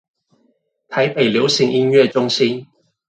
台北流行音樂中心